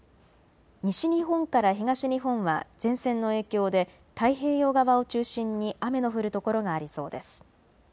西日本から東日本は前線の影響で太平洋側を中心に雨の降る所がありそうです。